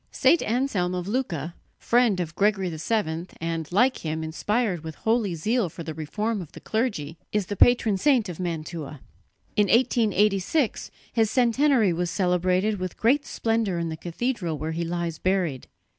St. Anselm of Lucca, friend of Gregory VII, and, like him, inspired with holy zeal for the reform of the clergy, is the patron saint of Mantua. In 1886 his centenary was celebrated with great splendour in the cathedral where he lies buried.